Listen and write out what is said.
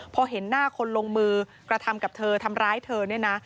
พอเห็นหน้าคนลงมือกระทำกับเธอทำร้ายเธอเนี่ยนะ